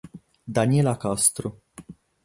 Daniela Castro